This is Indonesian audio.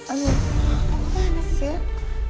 aduh apaan sih